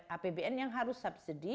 apbn yang harus subsidi